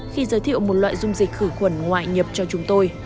khi giới thiệu một loại dung dịch khử khuẩn ngoại nhập cho chúng tôi